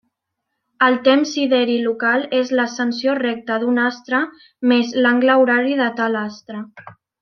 El temps sideri local és l'ascensió recta d'un astre més l'angle horari de tal astre.